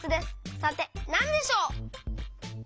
さてなんでしょう？